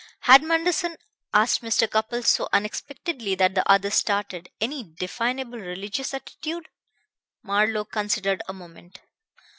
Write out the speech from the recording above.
"Had Manderson," asked Mr. Cupples, so unexpectedly that the other started, "any definable religious attitude?" Marlowe considered a moment.